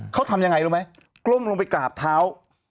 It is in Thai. เขาทำยังไงรู้ไหมกล้มลงไปกราบเท้า